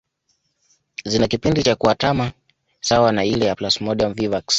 Zina kipindi cha kuatama sawa na ile ya Plasmodium vivax